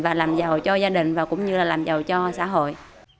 và làm giàu cho gia đình và cũng như là làm giàu cho xã hội